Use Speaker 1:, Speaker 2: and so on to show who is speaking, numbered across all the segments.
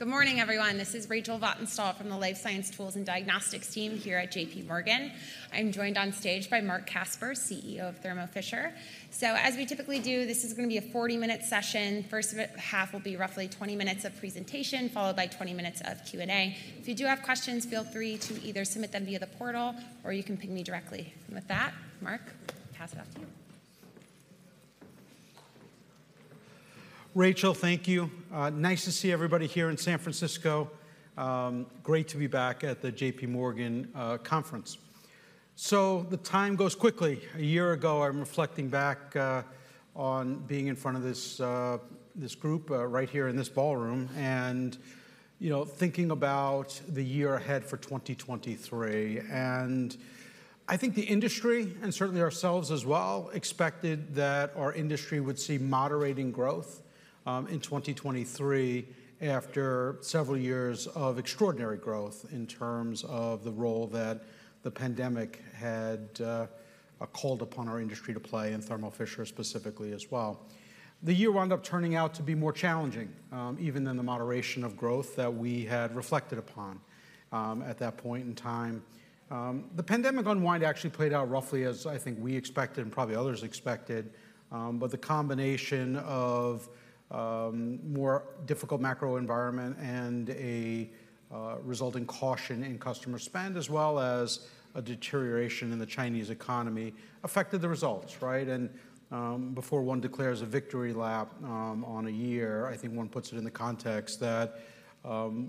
Speaker 1: Good morning, everyone. This is Rachel Vatnsdal from the Life Science Tools and Diagnostics team here at J.P. Morgan. I'm joined on stage by Marc Casper, CEO of Thermo Fisher. So as we typically do, this is gonna be a 40-minute session. Half will be roughly 20 minutes of presentation, followed by 20 minutes of Q&A. If you do have questions, feel free to either submit them via the portal, or you can ping me directly. And with that, Marc, pass it off to you.
Speaker 2: Rachel, thank you. Nice to see everybody here in San Francisco. Great to be back at the J.P. Morgan conference. So the time goes quickly. A year ago, I'm reflecting back on being in front of this group right here in this ballroom and, you know, thinking about the year ahead for 2023. And I think the industry, and certainly ourselves as well, expected that our industry would see moderating growth in 2023, after several years of extraordinary growth in terms of the role that the pandemic had called upon our industry to play, and Thermo Fisher specifically as well. The year wound up turning out to be more challenging even than the moderation of growth that we had reflected upon at that point in time. The pandemic unwind actually played out roughly as I think we expected and probably others expected, but the combination of more difficult macro environment and a resulting caution in customer spend, as well as a deterioration in the Chinese economy, affected the results, right? Before one declares a victory lap on a year, I think one puts it in the context that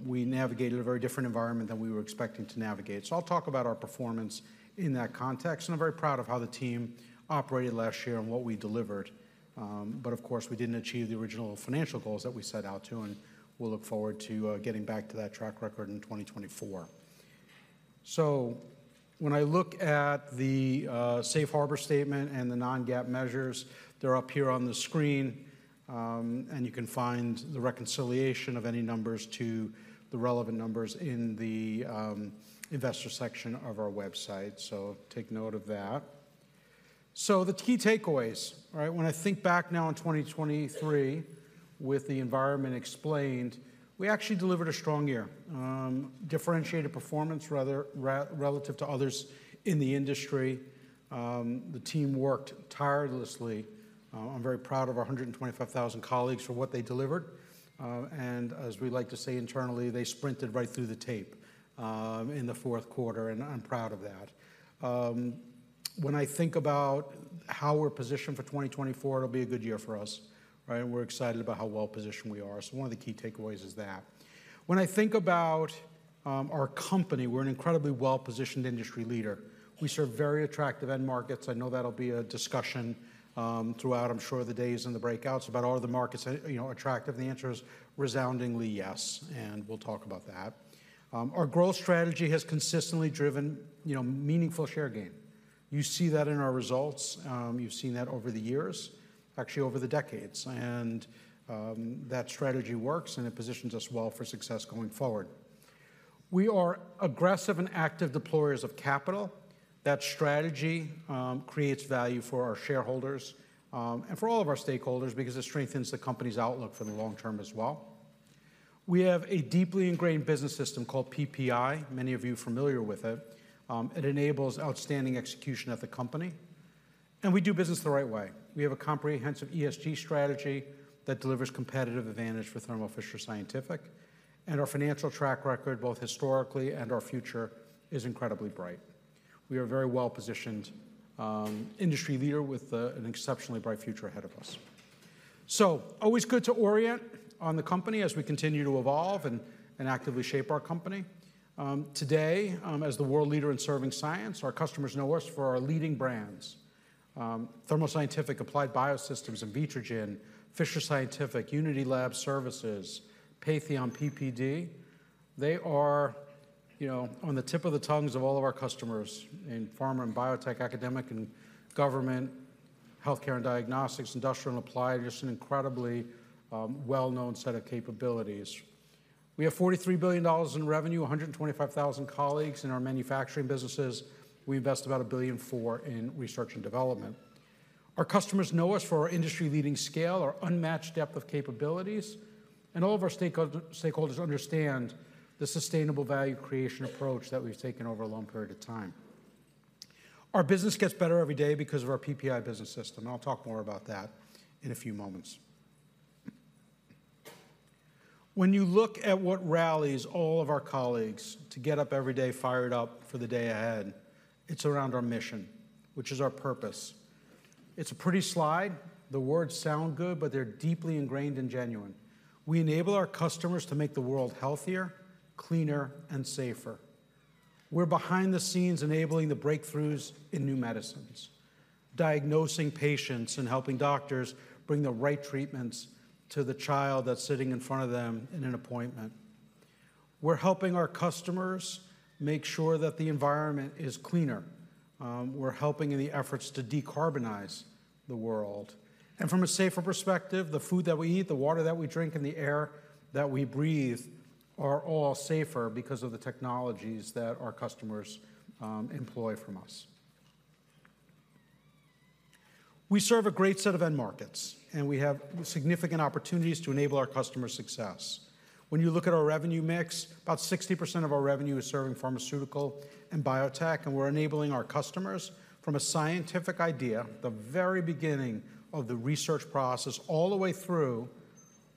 Speaker 2: we navigated a very different environment than we were expecting to navigate. I'll talk about our performance in that context, and I'm very proud of how the team operated last year and what we delivered. But of course, we didn't achieve the original financial goals that we set out to, and we'll look forward to getting back to that track record in 2024. So when I look at the safe harbor statement and the non-GAAP measures, they're up here on the screen, and you can find the reconciliation of any numbers to the relevant numbers in the investor section of our website. So take note of that. So the key takeaways, right? When I think back now on 2023, with the environment explained, we actually delivered a strong year. Differentiated performance rather relative to others in the industry. The team worked tirelessly. I'm very proud of our 125,000 colleagues for what they delivered, and as we like to say internally, they sprinted right through the tape in the fourth quarter, and I'm proud of that. When I think about how we're positioned for 2024, it'll be a good year for us, right? We're excited about how well-positioned we are. So one of the key takeaways is that. When I think about our company, we're an incredibly well-positioned industry leader. We serve very attractive end markets. I know that'll be a discussion throughout, I'm sure, the days and the breakouts about are the markets, you know, attractive? The answer is resoundingly yes, and we'll talk about that. Our growth strategy has consistently driven, you know, meaningful share gain. You see that in our results. You've seen that over the years, actually, over the decades. That strategy works, and it positions us well for success going forward. We are aggressive and active deployers of capital. That strategy creates value for our shareholders and for all of our stakeholders because it strengthens the company's outlook for the long term as well. We have a deeply ingrained business system called PPI. Many of you familiar with it. It enables outstanding execution of the company, and we do business the right way. We have a comprehensive ESG strategy that delivers competitive advantage for Thermo Fisher Scientific, and our financial track record, both historically and our future, is incredibly bright. We are a very well-positioned industry leader with an exceptionally bright future ahead of us. Always good to orient on the company as we continue to evolve and actively shape our company. Today, as the world leader in serving science, our customers know us for our leading brands. Thermo Scientific, Applied Biosystems, and Invitrogen, Fisher Scientific, Unity Lab Services, Patheon, PPD, they are, you know, on the tip of the tongues of all of our customers in pharma and biotech, academic and government, healthcare and diagnostics, industrial and applied, just an incredibly well-known set of capabilities. We have $43 billion in revenue, 125,000 colleagues in our manufacturing businesses. We invest about $1.4 billion in research and development. Our customers know us for our industry-leading scale, our unmatched depth of capabilities, and all of our stakeholders understand the sustainable value creation approach that we've taken over a long period of time. Our business gets better every day because of our PPI business system, and I'll talk more about that in a few moments. When you look at what rallies all of our colleagues to get up every day, fired up for the day ahead, it's around our mission, which is our purpose. It's a pretty slide. The words sound good, but they're deeply ingrained and genuine. We enable our customers to make the world healthier, cleaner, and safer. We're behind the scenes, enabling the breakthroughs in new medicines, diagnosing patients, and helping doctors bring the right treatments to the child that's sitting in front of them in an appointment. We're helping our customers make sure that the environment is cleaner. We're helping in the efforts to decarbonize the world. And from a safer perspective, the food that we eat, the water that we drink, and the air that we breathe are all safer because of the technologies that our customers employ from us. We serve a great set of end markets, and we have significant opportunities to enable our customer success. When you look at our revenue mix, about 60% of our revenue is serving Pharmaceutical and Biotech, and we're enabling our customers from a scientific idea, the very beginning of the research process, all the way through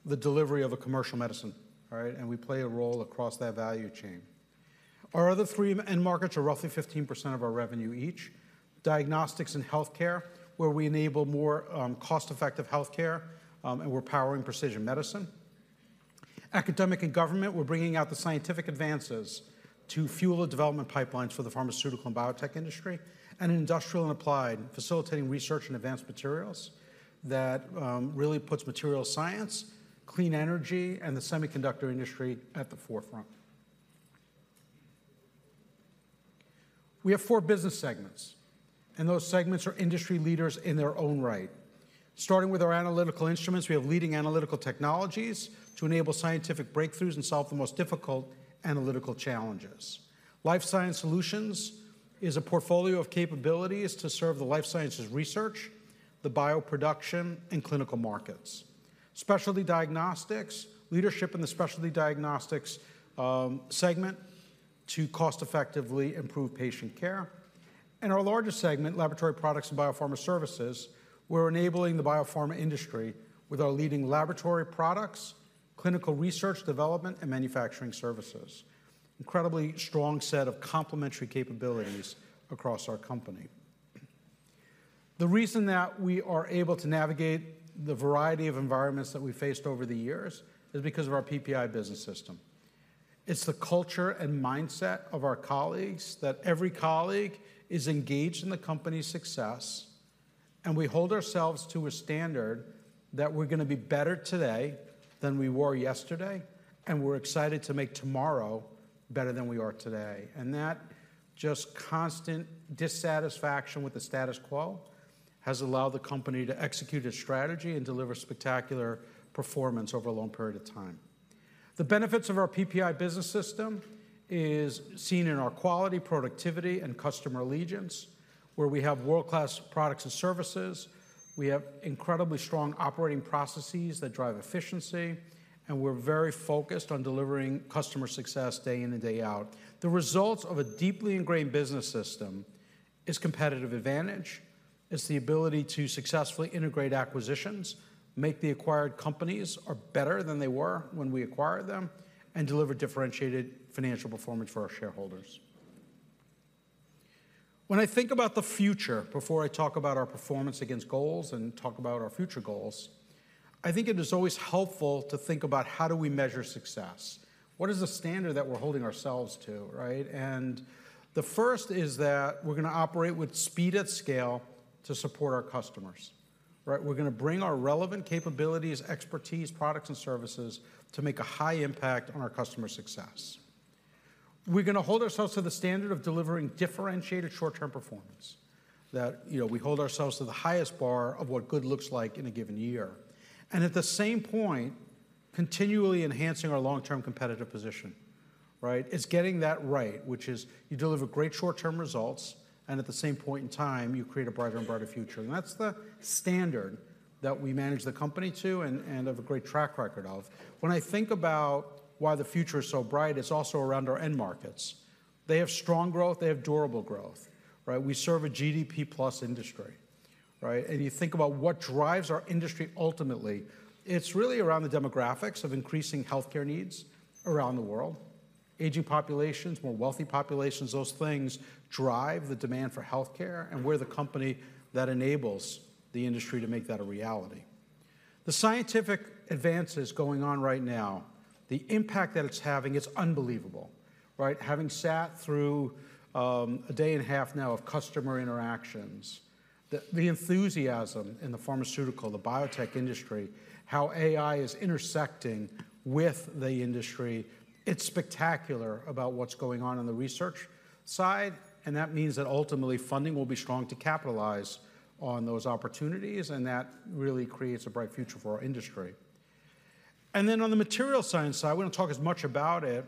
Speaker 2: the delivery of a commercial medicine, all right? We play a role across that value chain. Our other three end markets are roughly 15% of our revenue each. Diagnostics and Healthcare, where we enable more cost-effective healthcare, and we're powering precision medicine. Academic and Government, we're bringing out the scientific advances to fuel the development pipelines for the pharmaceutical and biotech industry, and in industrial and applied, facilitating research and advanced materials that really puts material science, clean energy, and the semiconductor industry at the forefront. We have four business segments, and those segments are industry leaders in their own right. Starting with our Analytical Instruments, we have leading analytical technologies to enable scientific breakthroughs and solve the most difficult analytical challenges. Life Science Solutions is a portfolio of capabilities to serve the life sciences research, the Bioproduction, and Clinical Markets. Specialty Diagnostics, Leadership in the Specialty Diagnostics segment to cost-effectively improve patient care. And our largest segment, Laboratory Products and Biopharma Services, we're enabling the biopharma industry with our leading laboratory products, clinical research development, and manufacturing services. Incredibly strong set of complementary capabilities across our company. The reason that we are able to navigate the variety of environments that we've faced over the years is because of our PPI business system. It's the culture and mindset of our colleagues, that every colleague is engaged in the company's success, and we hold ourselves to a standard that we're gonna be better today than we were yesterday, and we're excited to make tomorrow better than we are today. And that just constant dissatisfaction with the status quo has allowed the company to execute its strategy and deliver spectacular performance over a long period of time. The benefits of our PPI business system is seen in our quality, productivity, and customer allegiance, where we have world-class products and services, we have incredibly strong operating processes that drive efficiency, and we're very focused on delivering customer success day in and day out. The results of a deeply ingrained business system is competitive advantage. It's the ability to successfully integrate acquisitions, make the acquired companies are better than they were when we acquired them, and deliver differentiated financial performance for our shareholders. When I think about the future, before I talk about our performance against goals and talk about our future goals, I think it is always helpful to think about: How do we measure success? What is the standard that we're holding ourselves to, right? The first is that we're gonna operate with speed at scale to support our customers, right? We're gonna bring our relevant capabilities, expertise, products, and services to make a high impact on our customer success. We're gonna hold ourselves to the standard of delivering differentiated short-term performance, that, you know, we hold ourselves to the highest bar of what good looks like in a given year. At the same point, continually enhancing our long-term competitive position, right? It's getting that right, which is you deliver great short-term results, and at the same point in time, you create a brighter and brighter future. And that's the standard that we manage the company to and have a great track record of. When I think about why the future is so bright, it's also around our end markets. They have strong growth, they have durable growth, right? We serve a GDP-plus industry, right? And you think about what drives our industry ultimately, it's really around the demographics of increasing healthcare needs around the world. Aging populations, more wealthy populations, those things drive the demand for healthcare, and we're the company that enables the industry to make that a reality. The scientific advances going on right now, the impact that it's having, it's unbelievable, right? Having sat through a day and a half now of customer interactions, the enthusiasm in the pharmaceutical, the biotech industry, how AI is intersecting with the industry, it's spectacular about what's going on in the research side, and that means that ultimately, funding will be strong to capitalize on those opportunities, and that really creates a bright future for our industry. And then on the material science side, we don't talk as much about it.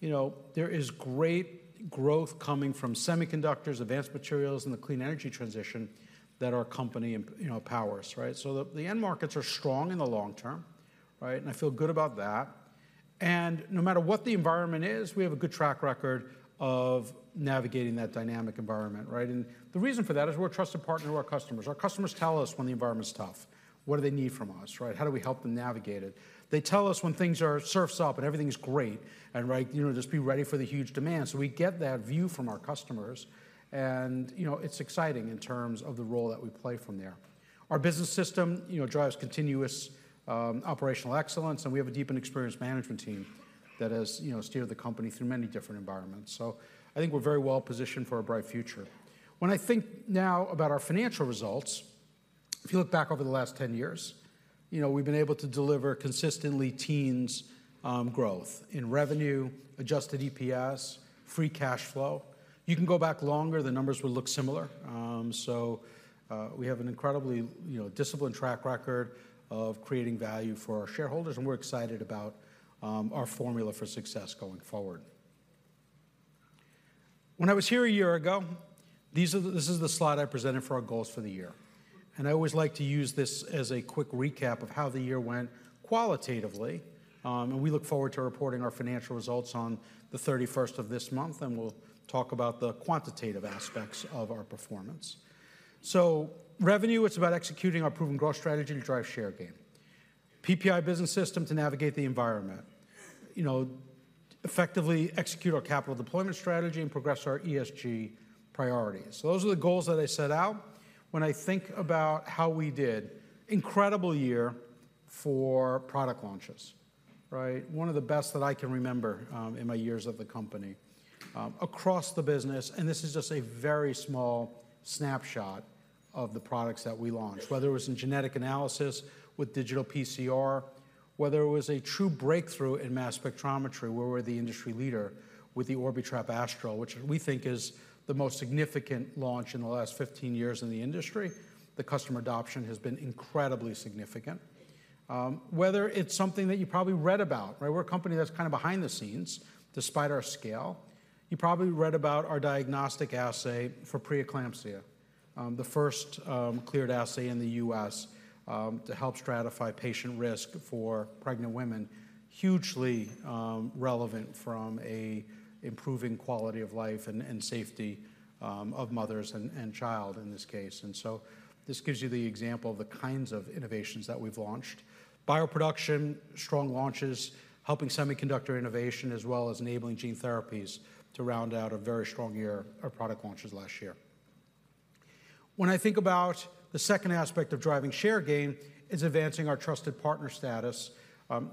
Speaker 2: You know, there is great growth coming from semiconductors, advanced materials, and the clean energy transition that our company, you know, powers, right? So the end markets are strong in the long term, right? And I feel good about that. And no matter what the environment is, we have a good track record of navigating that dynamic environment, right? And the reason for that is we're a trusted partner to our customers. Our customers tell us when the environment is tough, what do they need from us, right? How do we help them navigate it? They tell us when things are surf's up and everything is great and, right, you know, just be ready for the huge demand. So we get that view from our customers, and, you know, it's exciting in terms of the role that we play from there. Our business system, you know, drives continuous operational excellence, and we have a deep and experienced management team that has, you know, steered the company through many different environments. So I think we're very well positioned for a bright future. When I think now about our financial results, if you look back over the last 10 years, you know, we've been able to deliver consistently teens growth in revenue, adjusted EPS, free cash flow. You can go back longer, the numbers would look similar. So, we have an incredibly, you know, disciplined track record of creating value for our shareholders, and we're excited about our formula for success going forward. When I was here a year ago, this is the slide I presented for our goals for the year. I always like to use this as a quick recap of how the year went qualitatively, and we look forward to reporting our financial results on the 31st of this month, and we'll talk about the quantitative aspects of our performance. So revenue, it's about executing our proven growth strategy to drive share gain. PPI business system to navigate the environment. You know, effectively execute our capital deployment strategy and progress our ESG priorities. Those are the goals that I set out when I think about how we did. Incredible year for product launches, right? One of the best that I can remember, in my years at the company. Across the business, and this is just a very small snapshot of the products that we launched, whether it was in genetic analysis with Digital PCR, whether it was a true breakthrough in mass spectrometry, where we're the industry leader with the Orbitrap Astral, which we think is the most significant launch in the last 15 years in the industry. The customer adoption has been incredibly significant. Whether it's something that you probably read about, right? We're a company that's kind of behind the scenes, despite our scale. You probably read about our diagnostic assay for preeclampsia, the first cleared assay in the U.S., to help stratify patient risk for pregnant women. Hugely relevant from a improving quality of life and, and safety, of mothers and, and child in this case. So this gives you the example of the kinds of innovations that we've launched. Bioproduction, strong launches, helping semiconductor innovation, as well as enabling gene therapies to round out a very strong year of product launches last year. When I think about the second aspect of driving share gain, is advancing our trusted partner status.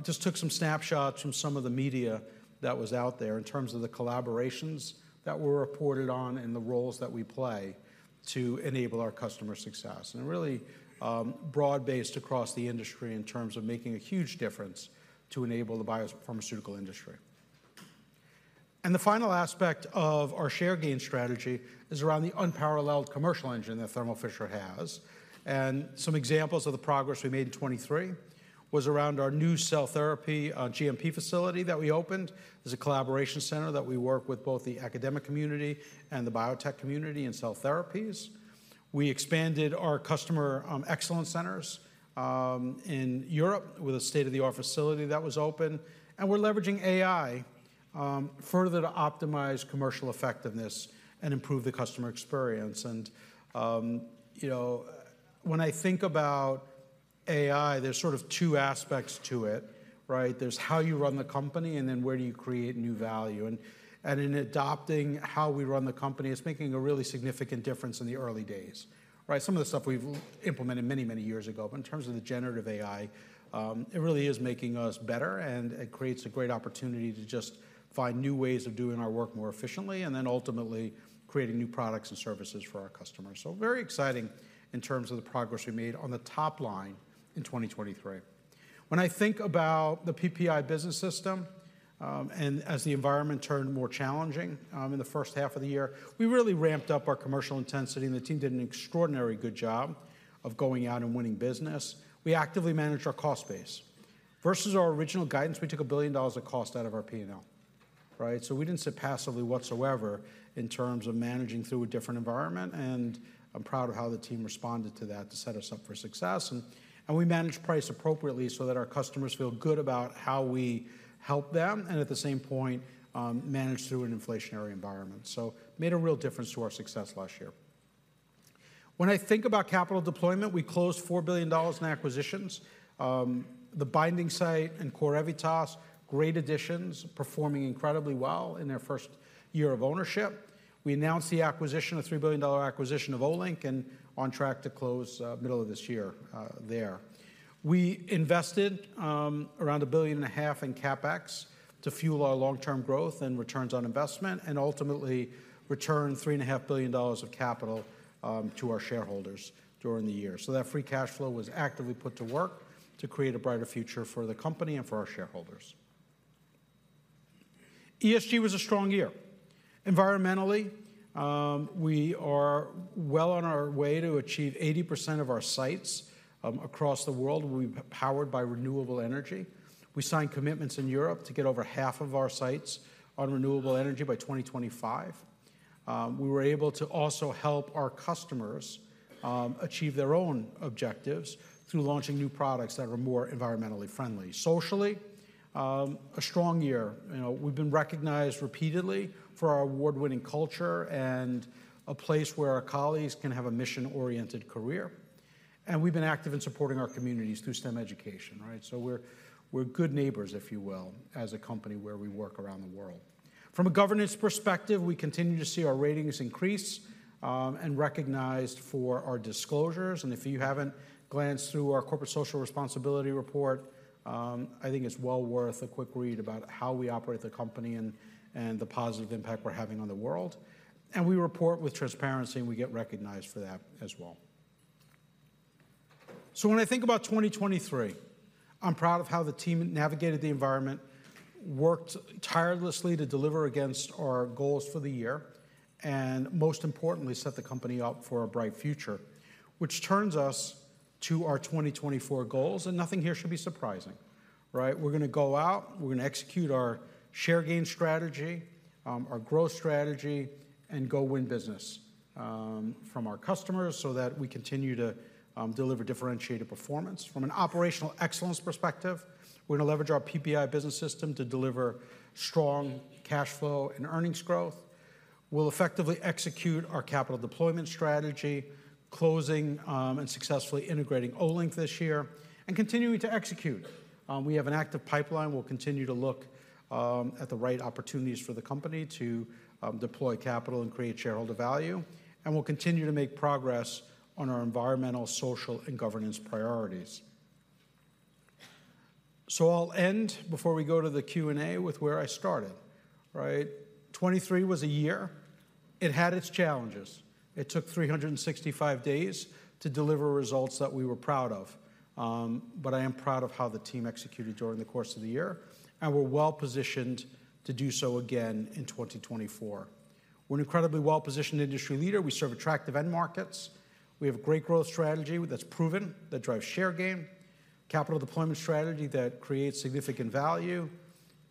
Speaker 2: Just took some snapshots from some of the media that was out there in terms of the collaborations that were reported on and the roles that we play to enable our customer success, and really, broad-based across the industry in terms of making a huge difference to enable the biopharmaceutical industry. The final aspect of our share gain strategy is around the unparalleled commercial engine that Thermo Fisher has. Some examples of the progress we made in 2023 was around our new cell therapy GMP facility that we opened. It's a collaboration center that we work with both the academic community and the biotech community in cell therapies. We expanded our customer excellence centers in Europe, with a state-of-the-art facility that was open. We're leveraging AI further to optimize commercial effectiveness and improve the customer experience. You know, when I think about AI, there's sort of two aspects to it, right? There's how you run the company, and then where do you create new value. In adopting how we run the company, it's making a really significant difference in the early days, right? Some of the stuff we've implemented many, many years ago. But in terms of the generative AI, it really is making us better, and it creates a great opportunity to just find new ways of doing our work more efficiently, and then ultimately creating new products and services for our customers. So very exciting in terms of the progress we made on the top line in 2023. When I think about the PPI business system, and as the environment turned more challenging, in the first half of the year, we really ramped up our commercial intensity, and the team did an extraordinary good job of going out and winning business. We actively managed our cost base. Versus our original guidance, we took $1 billion of cost out of our P&L, right? So we didn't sit passively whatsoever in terms of managing through a different environment, and I'm proud of how the team responded to that to set us up for success. And we managed price appropriately so that our customers feel good about how we help them, and at the same point, managed through an inflationary environment. So made a real difference to our success last year. When I think about capital deployment, we closed $4 billion in acquisitions. The Binding Site and CorEvitas, great additions, performing incredibly well in their first year of ownership. We announced the acquisition, a $3 billion acquisition of Olink, and on track to close middle of this year, there. We invested around $1.5 billion in CapEx to fuel our long-term growth and returns on investment, and ultimately returned $3.5 billion of capital to our shareholders during the year. So that free cash flow was actively put to work to create a brighter future for the company and for our shareholders. ESG was a strong year. Environmentally, we are well on our way to achieve 80% of our sites across the world will be powered by renewable energy. We signed commitments in Europe to get over half of our sites on renewable energy by 2025. We were able to also help our customers achieve their own objectives through launching new products that are more environmentally friendly. Socially, a strong year. You know, we've been recognized repeatedly for our award-winning culture and a place where our colleagues can have a mission-oriented career. And we've been active in supporting our communities through STEM education, right? So we're good neighbors, if you will, as a company where we work around the world. From a governance perspective, we continue to see our ratings increase, and recognized for our disclosures. And if you haven't glanced through our corporate social responsibility report, I think it's well worth a quick read about how we operate the company and the positive impact we're having on the world. And we report with transparency, and we get recognized for that as well. So when I think about 2023, I'm proud of how the team navigated the environment, worked tirelessly to deliver against our goals for the year, and most importantly, set the company up for a bright future, which turns us to our 2024 goals, and nothing here should be surprising.... Right? We're gonna go out, we're gonna execute our share gain strategy, our growth strategy, and go win business, from our customers so that we continue to, deliver differentiated performance. From an operational excellence perspective, we're gonna leverage our PPI business system to deliver strong cash flow and earnings growth. We'll effectively execute our capital deployment strategy, closing, and successfully integrating Olink this year, and continuing to execute. We have an active pipeline. We'll continue to look at the right opportunities for the company to deploy capital and create shareholder value, and we'll continue to make progress on our environmental, social, and governance priorities. So I'll end before we go to the Q&A with where I started, right? 2023 was a year. It had its challenges. It took 365 days to deliver results that we were proud of, but I am proud of how the team executed during the course of the year, and we're well-positioned to do so again in 2024. We're an incredibly well-positioned industry leader. We serve attractive end markets. We have a great growth strategy that's proven, that drives share gain, capital deployment strategy that creates significant value,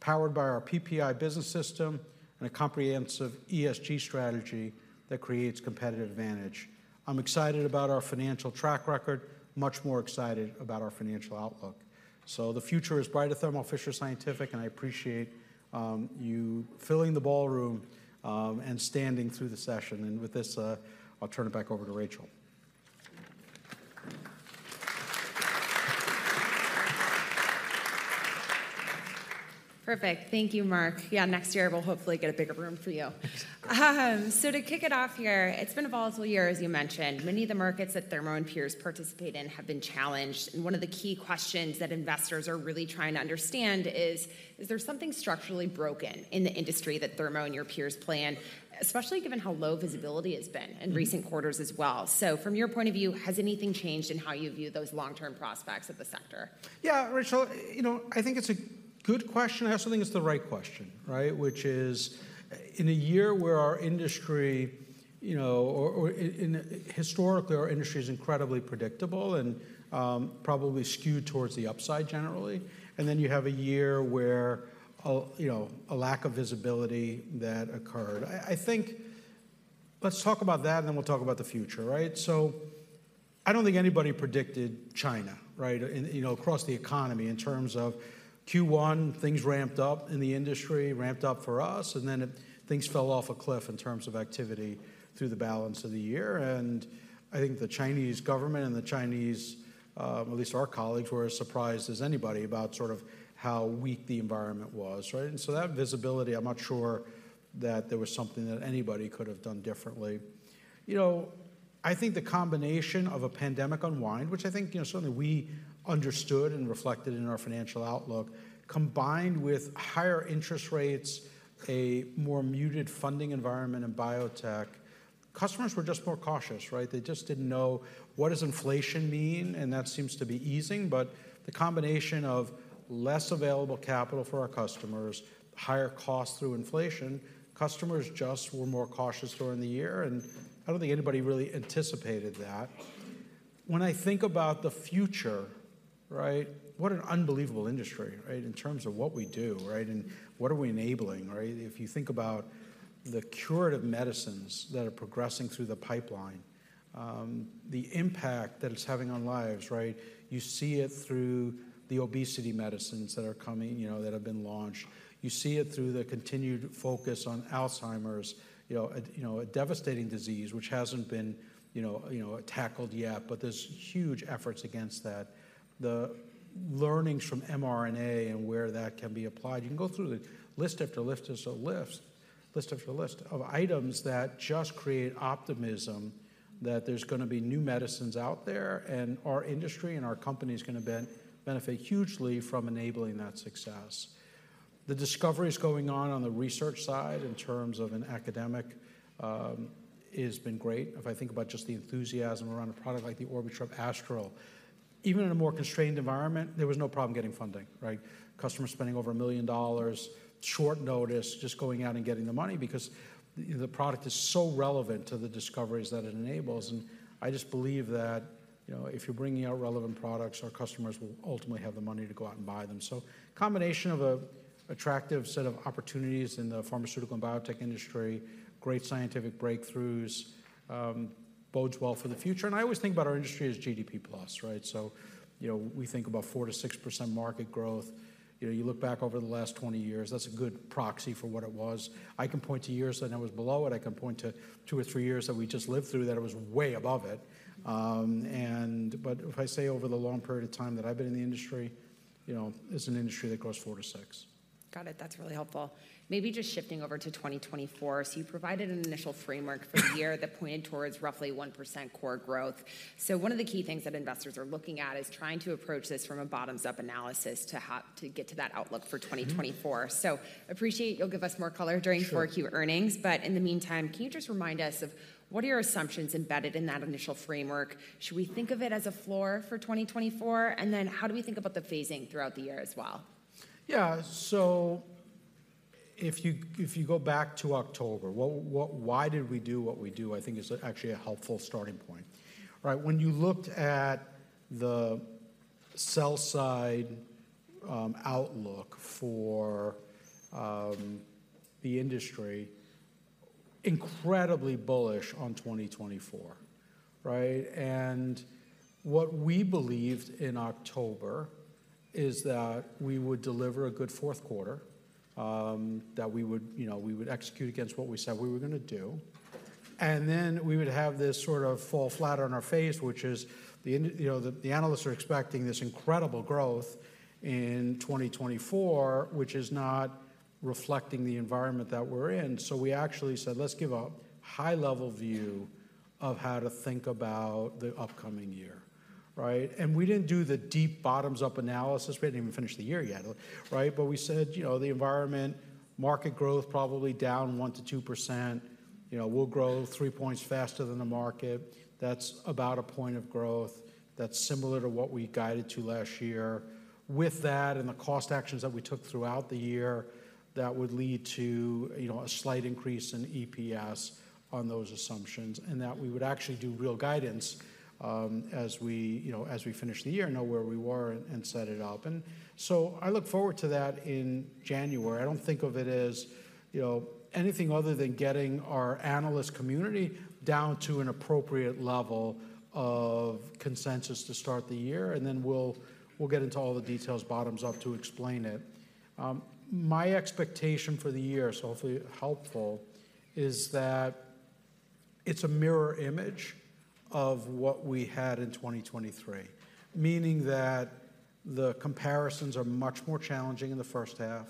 Speaker 2: powered by our PPI business system, and a comprehensive ESG strategy that creates competitive advantage. I'm excited about our financial track record, much more excited about our financial outlook. So the future is bright at Thermo Fisher Scientific, and I appreciate you filling the ballroom and standing through the session. And with this, I'll turn it back over to Rachel.
Speaker 1: Perfect. Thank you, Marc. Yeah, next year we'll hopefully get a bigger room for you.
Speaker 2: Exactly.
Speaker 1: To kick it off here, it's been a volatile year, as you mentioned. Many of the markets that Thermo and peers participate in have been challenged, and one of the key questions that investors are really trying to understand is: Is there something structurally broken in the industry that Thermo and your peers play in, especially given how low visibility it's been in recent quarters as well? So from your point of view, has anything changed in how you view those long-term prospects of the sector?
Speaker 2: Yeah, Rachel, you know, I think it's a good question. I also think it's the right question, right? Which is, in a year where our industry, you know, historically, our industry is incredibly predictable and, probably skewed towards the upside generally. And then you have a year where, you know, a lack of visibility that occurred. I think. Let's talk about that, and then we'll talk about the future, right? So I don't think anybody predicted China, right? You know, across the economy in terms of Q1, things ramped up in the industry, ramped up for us, and then things fell off a cliff in terms of activity through the balance of the year. I think the Chinese government and the Chinese, at least our colleagues, were as surprised as anybody about sort of how weak the environment was, right? So that visibility, I'm not sure that there was something that anybody could have done differently. You know, I think the combination of a pandemic unwind, which I think, you know, certainly we understood and reflected in our financial outlook, combined with higher interest rates, a more muted funding environment in biotech, customers were just more cautious, right? They just didn't know what does inflation mean, and that seems to be easing. But the combination of less available capital for our customers, higher costs through inflation, customers just were more cautious during the year, and I don't think anybody really anticipated that. When I think about the future, right, what an unbelievable industry, right? In terms of what we do, right, and what are we enabling, right? If you think about the curative medicines that are progressing through the pipeline, the impact that it's having on lives, right? You see it through the obesity medicines that are coming, you know, that have been launched. You see it through the continued focus on Alzheimer's, you know, a, you know, a devastating disease, which hasn't been, you know, you know, tackled yet, but there's huge efforts against that. The learnings from mRNA and where that can be applied. You can go through the list after list after list, list after list of items that just create optimism that there's gonna be new medicines out there, and our industry and our company is gonna benefit hugely from enabling that success. The discoveries going on on the research side in terms of an academic has been great. If I think about just the enthusiasm around a product like the Orbitrap Astral, even in a more constrained environment, there was no problem getting funding, right? Customers spending over $1 million, short notice, just going out and getting the money because the product is so relevant to the discoveries that it enables. And I just believe that, you know, if you're bringing out relevant products, our customers will ultimately have the money to go out and buy them. So combination of an attractive set of opportunities in the Pharmaceutical and Biotech Industry, great scientific breakthroughs bodes well for the future. And I always think about our Industry as GDP plus, right? So, you know, we think about 4%-6% market growth. You know, you look back over the last 20 years, that's a good proxy for what it was. I can point to years that it was below it. I can point to two or three years that we just lived through that it was way above it. But if I say over the long period of time that I've been in the industry, you know, it's an industry that grows four to six.
Speaker 1: Got it. That's really helpful. Maybe just shifting over to 2024. So you provided an initial framework for the year that pointed towards roughly 1% core growth. So one of the key things that investors are looking at is trying to approach this from a bottoms-up analysis to get to that outlook for 2024. So, appreciate you'll give us more color during Q4 earnings, but in the meantime, can you just remind us of what are your assumptions embedded in that initial framework? Should we think of it as a floor for 2024? And then how do we think about the phasing throughout the year as well?
Speaker 2: Yeah. So, if you, if you go back to October, what, what, why did we do what we do? I think is actually a helpful starting point. Right, when you looked at the sell side, outlook for, the industry, incredibly bullish on 2024, right? And what we believed in October is that we would deliver a good fourth quarter, that we would, you know, we would execute against what we said we were gonna do, and then we would have this sort of fall flat on our face, which is the you know, the, the analysts are expecting this incredible growth in 2024, which is not reflecting the environment that we're in. So we actually said, "Let's give a high-level view of how to think about the upcoming year." Right? And we didn't do the deep bottoms-up analysis. We hadn't even finished the year yet, right? But we said, "You know, the environment, market growth probably down 1% to 2%. You know, we'll grow three points faster than the market. That's about a point of growth. That's similar to what we guided to last year." With that and the cost actions that we took throughout the year, that would lead to, you know, a slight increase in EPS on those assumptions, and that we would actually do real guidance, as we, you know, as we finish the year, know where we were and set it up. And so I look forward to that in January. I don't think of it as, you know, anything other than getting our analyst community down to an appropriate level of consensus to start the year, and then we'll get into all the details, bottoms up, to explain it. My expectation for the year, so hopefully helpful, is that it's a mirror image of what we had in 2023. Meaning that the comparisons are much more challenging in the first half,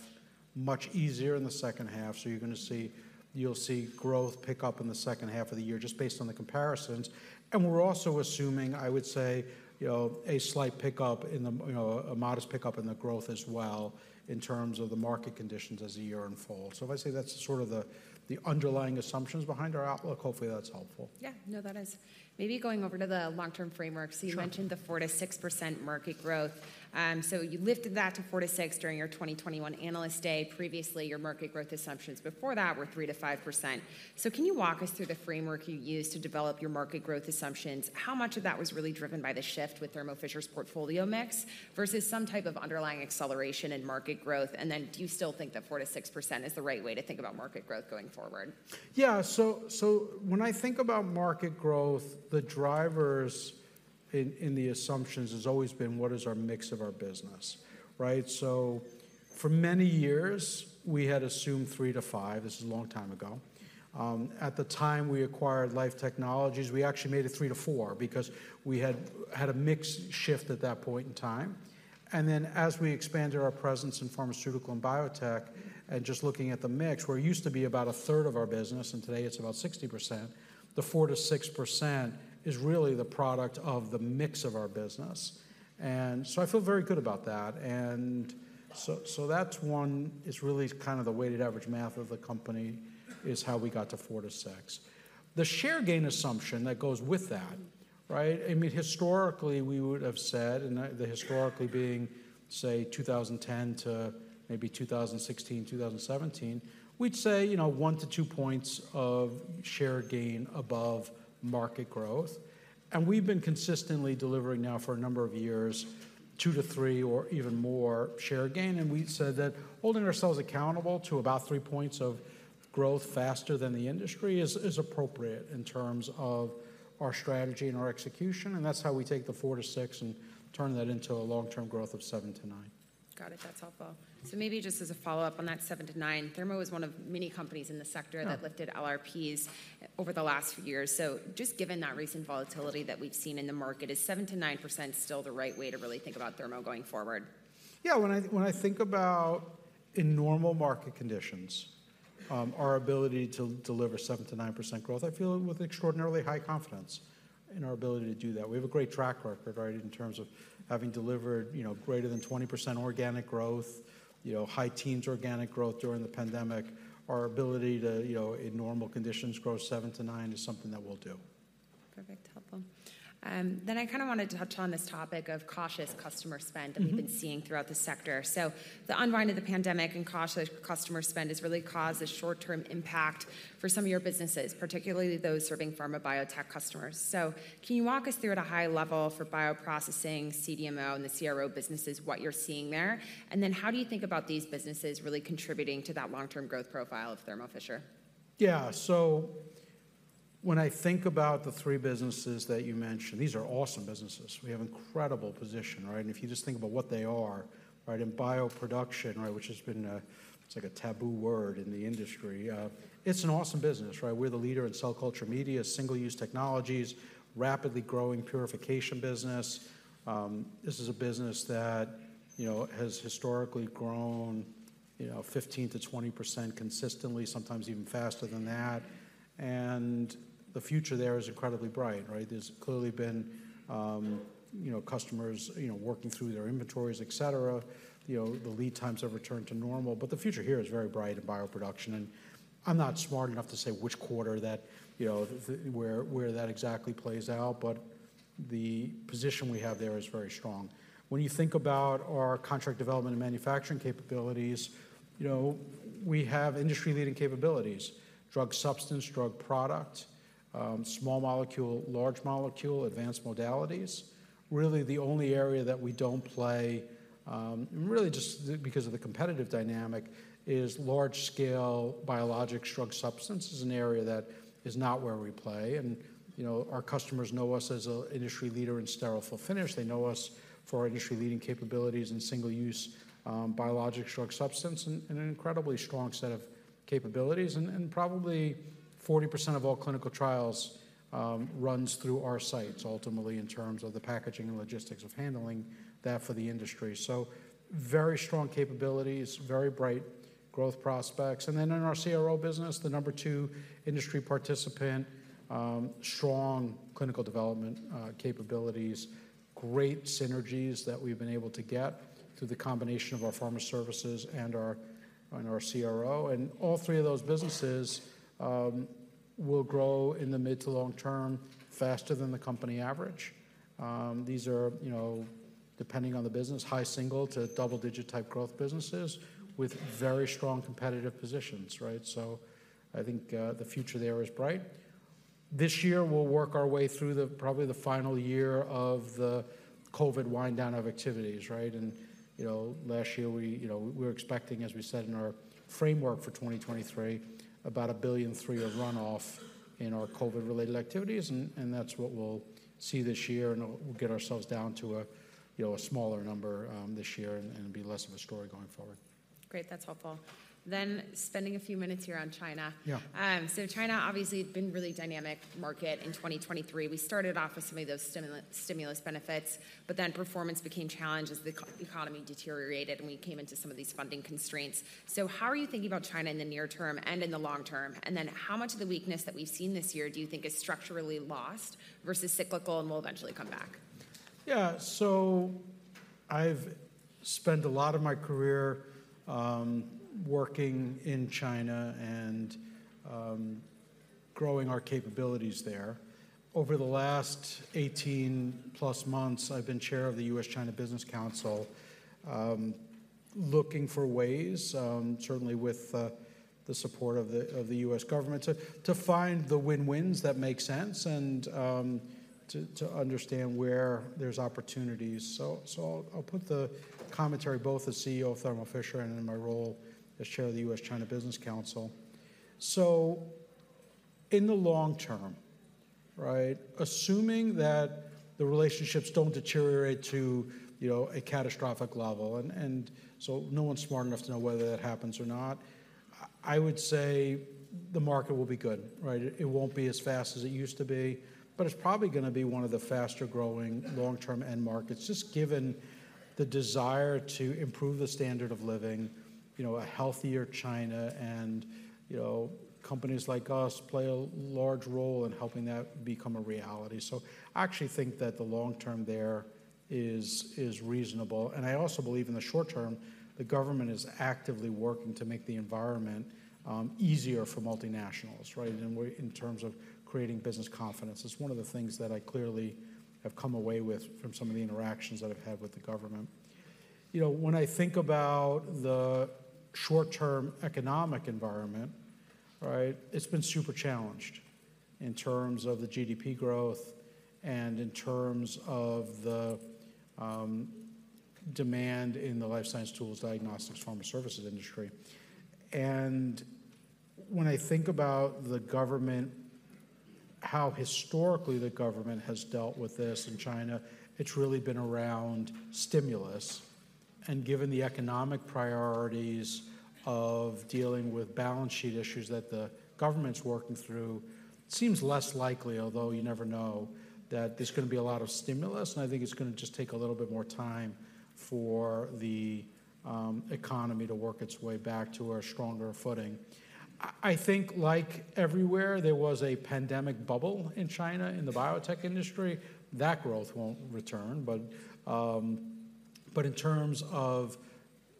Speaker 2: much easier in the second half. So you're gonna see, you'll see growth pick up in the second half of the year just based on the comparisons, and we're also assuming, I would say, you know, a slight pickup in the, you know, a modest pickup in the growth as well, in terms of the market conditions as the year unfolds. So if I say, that's sort of the underlying assumptions behind our outlook, hopefully that's helpful.
Speaker 1: Yeah. No, that is. Maybe going over to the long-term framework so you mentioned the 4% to 6% market growth. So you lifted that to 4% to 6% during your 2021 Analyst Day. Previously, your market growth assumptions before that were 3% to 5%. So can you walk us through the framework you used to develop your market growth assumptions? How much of that was really driven by the shift with Thermo Fisher's portfolio mix versus some type of underlying acceleration in market growth? And then do you still think that 4% to 6% is the right way to think about market growth going forward?
Speaker 2: Yeah, so when I think about market growth, the drivers in the assumptions has always been: What is our mix of our business, right? So for many years, we had assumed three to five. This is a long time ago. At the time we acquired Life Technologies, we actually made it three to four because we had had a mix shift at that point in time. And then, as we expanded our presence in pharmaceutical and biotech, and just looking at the mix, where it used to be about a third of our business, and today it's about 60%, the 4% to 6% is really the product of the mix of our business. And so I feel very good about that. And so, so that's one, is really kind of the weighted average math of the company, is how we got to four to six. The share gain assumption that goes with that, right? I mean, historically, we would have said, and the historically being, say, 2010 to maybe 2016, 2017, we'd say, you know, one to two points of share gain above market growth. And we've been consistently delivering now for a number of years, two to three or even more share gain. And we said that holding ourselves accountable to about three points of growth faster than the industry is, is appropriate in terms of our strategy and our execution, and that's how we take the four to six and turn that into a long-term growth of seven to nine.
Speaker 1: Got it. That's helpful. So maybe just as a follow-up on that seven to nine, Thermo is one of many companies in the sector that lifted LRPs over the last few years. So just given that recent volatility that we've seen in the market, is 7% to 9% still the right way to really think about Thermo going forward?
Speaker 2: Yeah, when I, when I think about in normal market conditions, our ability to deliver 7% to 9% growth, I feel with extraordinarily high confidence in our ability to do that. We have a great track record, right, in terms of having delivered, you know, greater than 20% organic growth, you know, high teens organic growth during the pandemic. Our ability to, you know, in normal conditions, grow seven to nine is something that we'll do.
Speaker 1: Perfect. Helpful. Then I kind of wanted to touch on this topic of cautious customer spend that we've been seeing throughout the sector. The unwind of the pandemic and cautious customer spend has really caused a short-term impact for some of your businesses, particularly those serving pharma biotech customers. Can you walk us through at a high level for bioprocessing, CDMO, and the CRO businesses, what you're seeing there? Then how do you think about these businesses really contributing to that long-term growth profile of Thermo Fisher?
Speaker 2: Yeah. So when I think about the three businesses that you mentioned, these are awesome businesses. We have incredible position, right? And if you just think about what they are, right, in bioproduction, right, which has been a-- it's like a taboo word in the industry, it's an awesome business, right? We're the leader in cell culture media, single-use technologies, rapidly growing purification business. This is a business that, you know, has historically grown, you know, 15% to 20% consistently, sometimes even faster than that, and the future there is incredibly bright, right? There's clearly been, you know, customers, you know, working through their inventories, et cetera. You know, the lead times have returned to normal, but the future here is very bright in bioproduction, and I'm not smart enough to say which quarter that, you know, where, where that exactly plays out, but the position we have there is very strong. When you think about our contract development and manufacturing capabilities, you know, we have industry-leading capabilities: drug substance, drug product, small molecule, large molecule, advanced modalities. Really, the only area that we don't play, really just because of the competitive dynamic, is large-scale biologic drug substance is an area that is not where we play. And, you know, our customers know us as an industry leader in sterile fill finish. They know us for our industry-leading capabilities in single-use, biologic drug substance, and an incredibly strong set of capabilities. And, probably 40% of all clinical trials runs through our sites ultimately, in terms of the packaging and logistics of handling that for the industry. So very strong capabilities, very bright growth prospects. Then in our CRO business, the number two industry participant, strong clinical development capabilities, great synergies that we've been able to get through the combination of our pharma services and our CRO. All three of those businesses will grow in the mid- to long-term faster than the company average. These are, you know, depending on the business, high single- to double-digit type growth businesses with very strong competitive positions, right? So I think the future there is bright. This year, we'll work our way through the probably the final year of the COVID wind down of activities, right? You know, last year we, you know, we were expecting, as we said in our framework for 2023, about $1.3 billion of runoff in our COVID-related activities, and that's what we'll see this year, and we'll get ourselves down to a, you know, a smaller number this year, and it'll be less of a story going forward.
Speaker 1: Great. That's helpful. Then, spending a few minutes here on China.
Speaker 2: Yeah.
Speaker 1: China obviously has been a really dynamic market in 2023. We started off with some of those stimulus benefits, but then performance became challenged as the economy deteriorated, and we came into some of these funding constraints. How are you thinking about China in the near term and in the long term? Then how much of the weakness that we've seen this year do you think is structurally lost versus cyclical and will eventually come back?
Speaker 2: Yeah. So I've spent a lot of my career, working in China and, growing our capabilities there. Over the last 18+ months, I've been chair of the U.S.-China Business Council, looking for ways, certainly with, the support of the, of the U.S. government, to, to find the win-wins that make sense and, to, to understand where there's opportunities. So, so I'll, I'll put the commentary both as CEO of Thermo Fisher and in my role as chair of the U.S.-China Business Council. So in the long term, right, assuming that the relationships don't deteriorate to, you know, a catastrophic level, and, and so no one's smart enough to know whether that happens or not, I- I would say the market will be good, right? It won't be as fast as it used to be, but it's probably gonna be one of the faster-growing long-term end markets, just given the desire to improve the standard of living, you know, a healthier China, and, you know, companies like us play a large role in helping that become a reality. So I actually think that the long term there is reasonable. And I also believe in the short term, the government is actively working to make the environment easier for multinationals, right? In a way, in terms of creating business confidence. It's one of the things that I clearly have come away with from some of the interactions that I've had with the government. You know, when I think about the short-term economic environment, right, it's been super challenged in terms of the GDP growth and in terms of the demand in the life science tools, diagnostics, pharma services industry. And when I think about the government, how historically the government has dealt with this in China, it's really been around stimulus. And given the economic priorities of dealing with balance sheet issues that the government's working through, it seems less likely, although you never know, that there's going to be a lot of stimulus, and I think it's going to just take a little bit more time for the economy to work its way back to a stronger footing. I think, like everywhere, there was a pandemic bubble in China, in the biotech industry. That growth won't return, but, but in terms of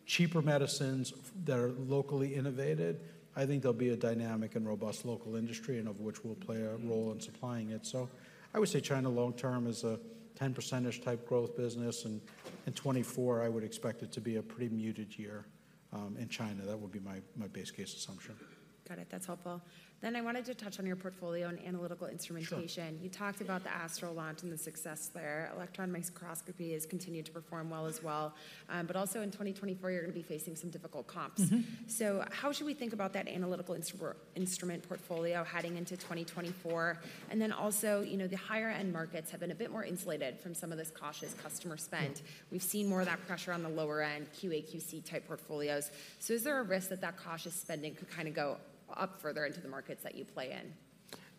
Speaker 2: cheaper medicines that are locally innovated, I think there'll be a dynamic and robust local industry, and of which we'll play a role in supplying it. So I would say China long term is a 10% type growth business, and in 2024, I would expect it to be a pretty muted year, in China. That would be my base case assumption.
Speaker 1: Got it. That's helpful. I wanted to touch on your portfolio and analytical instrumentation. You talked about the Astra launch and the success there. Electron microscopy has continued to perform well as well. But also in 2024, you're going to be facing some difficult comps.
Speaker 2: Mm-hmm.
Speaker 1: So how should we think about that analytical instrument portfolio heading into 2024? And then also, you know, the higher-end markets have been a bit more insulated from some of this cautious customer spend. We've seen more of that pressure on the lower-end QA/QC-type portfolios. So is there a risk that that cautious spending could kind of go up further into the markets that you play in?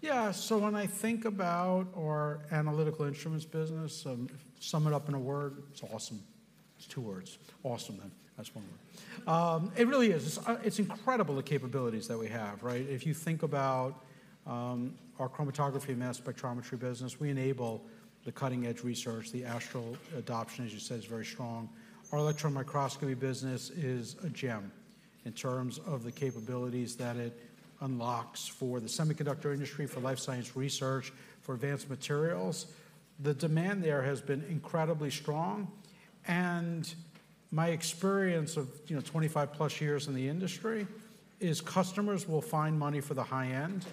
Speaker 2: Yeah. So when I think about our analytical instruments business, sum it up in a word, it's awesome. It's two words. Awesome, then. That's one word. It really is. It's incredible the capabilities that we have, right? If you think about our chromatography and mass spectrometry business, we enable the cutting-edge research. The Astral adoption, as you said, is very strong. Our electron microscopy business is a gem in terms of the capabilities that it unlocks for the semiconductor industry, for life science research, for advanced materials, the demand there has been incredibly strong. And my experience of, you know, 25+ years in the industry is customers will find money for the high end,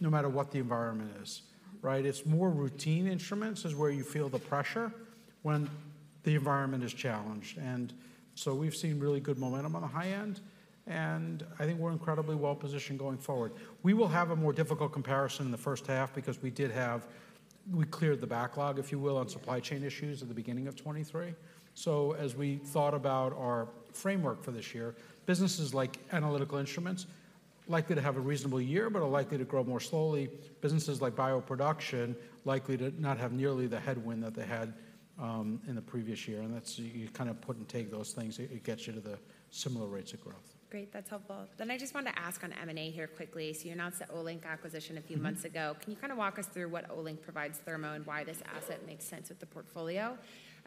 Speaker 2: no matter what the environment is, right? It's more routine instruments is where you feel the pressure when the environment is challenged. We've seen really good momentum on the high end, and I think we're incredibly well-positioned going forward. We will have a more difficult comparison in the first half because we did have, we cleared the backlog, if you will, on supply chain issues at the beginning of 2023. So as we thought about our framework for this year, businesses like analytical instruments, likely to have a reasonable year, but are likely to grow more slowly. Businesses like bioproduction, likely to not have nearly the headwind that they had in the previous year, and that's you, you kind of put and take those things. It, it gets you to the similar rates of growth.
Speaker 1: Great. That's helpful. Then I just wanted to ask on M&A here quickly. So you announced the Olink acquisition a few months ago Can you kind of walk us through what Olink provides Thermo and why this asset makes sense with the portfolio?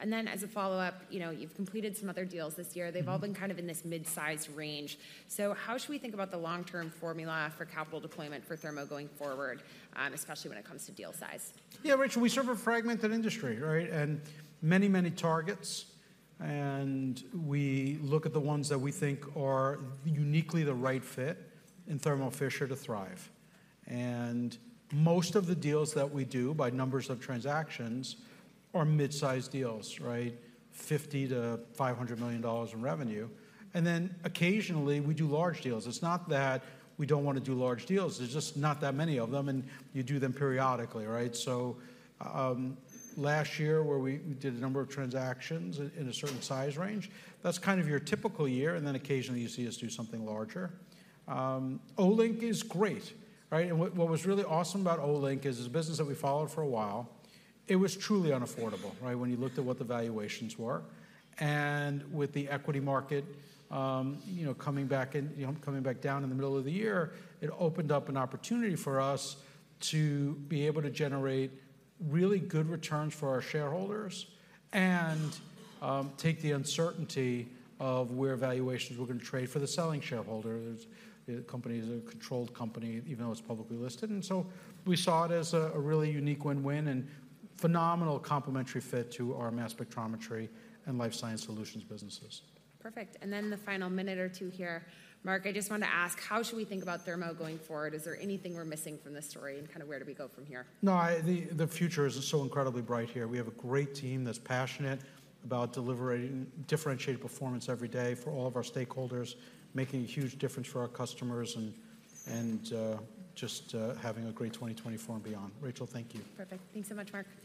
Speaker 1: Then, as a follow-up, you know, you've completed some other deals this year. They've all been kind of in this mid-size range. So how should we think about the long-term formula for capital deployment for Thermo going forward, especially when it comes to deal size?
Speaker 2: Yeah, Rachel, we serve a fragmented industry, right? And many, many targets, and we look at the ones that we think are uniquely the right fit in Thermo Fisher to thrive. And most of the deals that we do, by numbers of transactions, are mid-sized deals, right? $50 million to $500 million in revenue. And then occasionally, we do large deals. It's not that we don't want to do large deals, there's just not that many of them, and you do them periodically, right? So, last year, we did a number of transactions in a certain size range, that's kind of your typical year, and then occasionally you see us do something larger. Olink is great, right? And what was really awesome about Olink is it's a business that we followed for a while. It was truly unaffordable, right, when you looked at what the valuations were. And with the equity market, you know, coming back in, you know, coming back down in the middle of the year, it opened up an opportunity for us to be able to generate really good returns for our shareholders and, take the uncertainty of where valuations were going to trade for the selling shareholder. The company is a controlled company, even though it's publicly listed. And so we saw it as a, a really unique win-win and phenomenal complementary fit to our mass spectrometry and life science solutions businesses.
Speaker 1: Perfect. Then the final minute or two here, Marc, I just wanted to ask, how should we think about Thermo going forward? Is there anything we're missing from this story, and kind of where do we go from here?
Speaker 2: No, the future is so incredibly bright here. We have a great team that's passionate about delivering differentiated performance every day for all of our stakeholders, making a huge difference for our customers, and just having a great 2024 and beyond. Rachel, thank you.
Speaker 1: Perfect. Thanks so much, Marc.